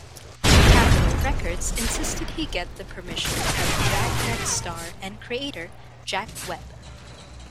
Capitol Records insisted he get the permission of "Dragnet" star and creator, Jack Webb.